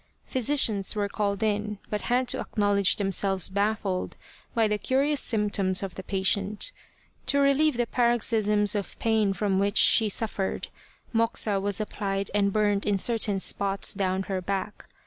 Physi cians were called in but had to acknowledge them selves baffled by the curious symptoms of the patient : to relieve the paroxysms of pain from which she suffered, Moxa was applied and burned in certain spots down her back.